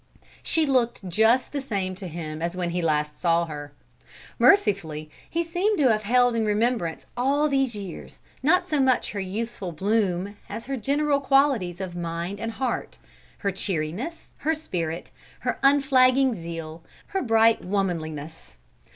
She looked just the same to him as when he last saw her. Mercifully he seemed to have held in remembrance all these years not so much her youthful bloom as her general qualities of mind and heart: her cheeriness, her spirit, her unflagging zeal, her bright womanliness.